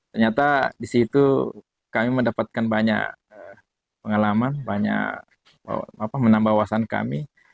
ternyata di situ kami mendapatkan banyak pengalaman banyak menambah wawasan kami